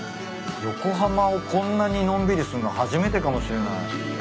横浜をこんなにのんびりすんの初めてかもしれない。